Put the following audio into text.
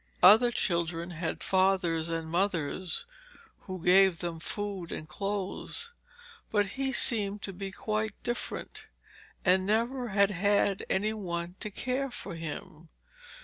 Other children had their fathers and mothers who gave them food and clothes, but he seemed to be quite different, and never had had any one to care for him.